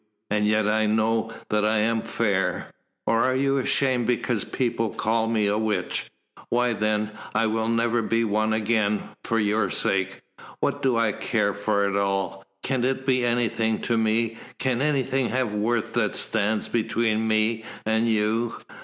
And yet I know that I am fair. Or are you ashamed because people call me a witch? Why then I will never be one again, for your sake! What do I care for it all? Can it be anything to me can anything have worth that stands between me and you?